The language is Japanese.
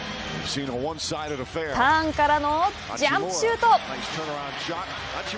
ターンからのジャンプシュート。